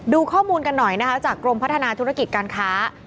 ดูข้อมูลกันหน่อยนะคะจากกรมพัฒนาธุรกิจการค้า